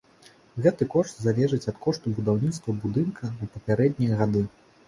Гэты кошт залежыць ад кошту будаўніцтва будынка ў папярэднія гады.